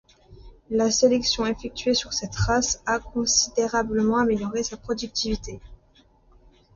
La sélection effectuée sur cette race a considérablement amélioré sa productivité.